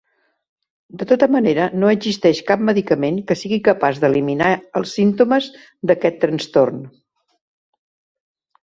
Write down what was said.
De tota manera, no existeix cap medicament que sigui capaç d'eliminar els símptomes d'aquest trastorn.